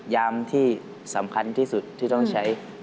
ยามที่สำคัญที่สุดที่ต้องใช้